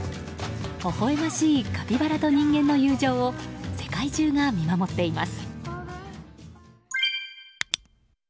ほほ笑ましいカピバラと人間の友情を世界中が見守っています。